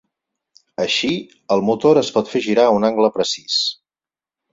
Així el motor es pot fer girar un angle precís.